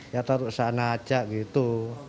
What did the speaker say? ya taruh ke sana aja gitu